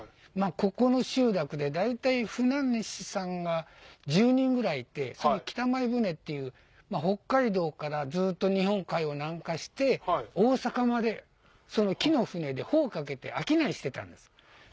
ここの集落で大体船主さんが１０人ぐらいいてその北前船っていう北海道からずっと日本海を南下して大阪までその木の船で帆を掛けて商いしてたんです。